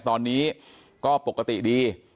ตอนนี้ก็ปกติดี